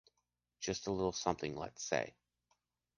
Just a little something, let’s say.